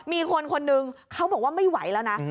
มีคนคนนึงเขาบอกว่าไม่ไหวแล้วนะ